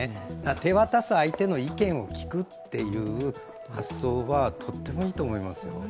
手渡す相手の意見を聞くという発想はとってもいいと思います。